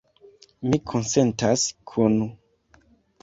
Mi konsentas kun...